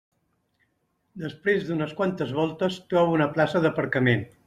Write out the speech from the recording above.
Després d'unes quantes voltes trobo una plaça d'aparcament.